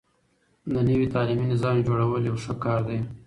د نوي تعليمي نظام جوړول يو ښه کار دی.